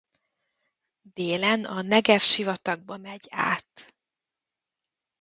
Délen a Negev-sivatagba megy át.